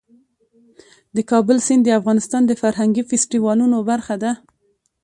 د کابل سیند د افغانستان د فرهنګي فستیوالونو برخه ده.